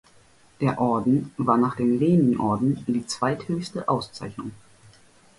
Der Orden war nach dem Leninorden die zweithöchste Auszeichnung.